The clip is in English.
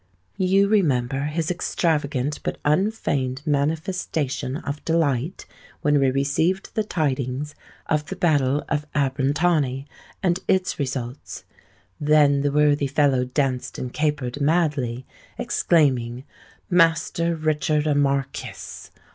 You remember his extravagant but unfeigned manifestation of delight when we received the tidings of the battle of Abrantani and its results. Then the worthy fellow danced and capered madly, exclaiming, '_Master Richard a Markis!